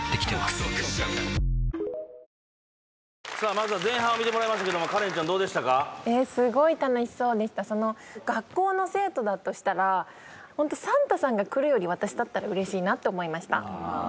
まずは前半を見てもらいましたけどもカレンちゃんどうでしたかすごい楽しそうでした学校の生徒だとしたらサンタさんが来るより私だったら嬉しいなと思いました